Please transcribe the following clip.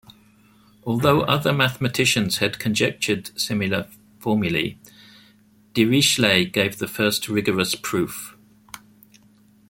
Although other mathematicians had conjectured similar formulae, Dirichlet gave the first rigorous proof.